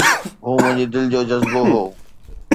هو منهنجي دل جو جذبو هو